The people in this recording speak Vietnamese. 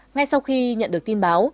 ngay sau khi nhận được tin báo